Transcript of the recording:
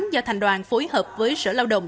do thành đoàn phối hợp với sở lao động